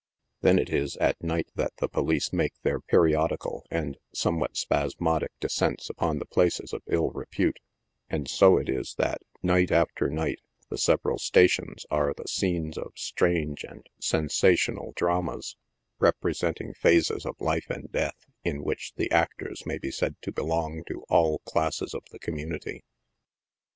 Then it is at night that the police make their periodical and somewhat spasmodic de scents upon the places of ill repute ; and so it is that, night after night, the several stations are the scenes of strange and "sensa tional" dramas, representing phases of life and death, in which the actors may be said to belong to all classes of the community.